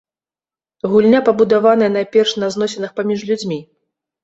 Гульня пабудаваная найперш на зносінах паміж людзьмі.